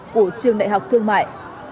của trường đại học thương mại